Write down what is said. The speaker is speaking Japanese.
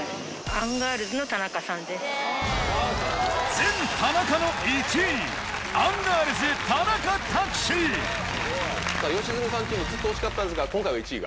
全田中の１位アンガールズさぁ良純さんチームずっと惜しかったですが今回は１位が。